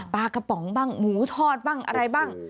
ปลากระป๋องบ้างหมูทอดบ้างอะไรบ้าง